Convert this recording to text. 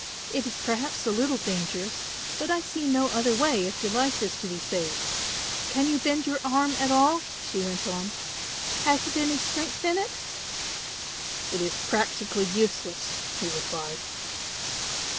It is perhaps a little dangerous but I see no other way if your life is to be saved. Can you bend your arm at all?" she went on. "Has it any strength in it?" "It is practically useless," he replied.